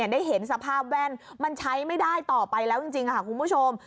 ได้เห็นสภาพแว่นมันใช้ไม่ได้ต่อไปแล้วจริงค่ะคุณผู้ชม